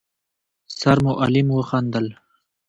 سرمعلم وخندل: